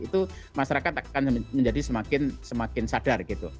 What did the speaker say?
itu masyarakat akan menjadi semakin sadar gitu